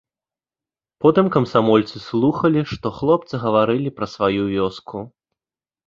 Потым камсамольцы слухалі, што хлопцы гаварылі пра сваю вёску.